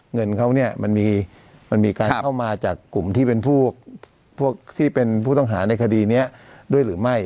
เงินเขาเนี่ยมันมีการเข้ามาจากกลุ่มที่เป็นพวกที่เป็นผู้ต้องหาในคดีนี้ด้วยหรือไม่